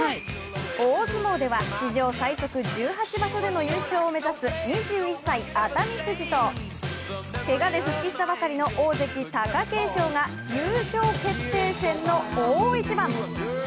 大相撲では史上最速１８場所での優勝を目指す２１歳、熱海富士とけがで復帰したばかりの大関・貴景勝が優勝決定戦の大一番。